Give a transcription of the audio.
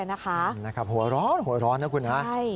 หัวร้อนนะคุณ